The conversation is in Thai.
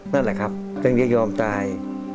นั่นแหละครับถึงจะยอมตาย